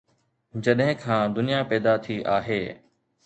جڏهن کان دنيا پيدا ٿي آهي.